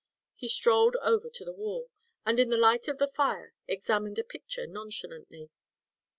He strolled over to the wall, and in the light of the fire examined a picture nonchalantly.